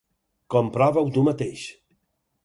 Comprova-ho tu mateix.